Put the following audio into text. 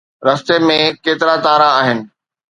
رستي ۾ ڪيترا تارا آهن؟